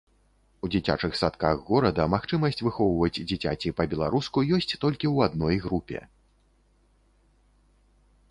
У дзіцячых садках горада магчымасць выхоўваць дзіцяці па-беларуску ёсць толькі ў адной групе.